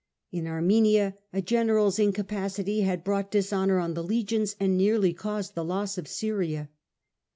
In Armenia a general's incapacity had brought dishonour on the legions and neai ly caused the loss of Syria.